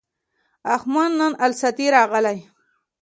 احمد نن الستی راغی.